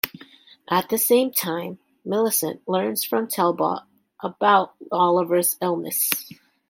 At the same time, Millicent learns from Talbot about Oliver's illness.